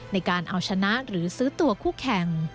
ในการเอาชนะหรือซื้อตัวคู่แข่ง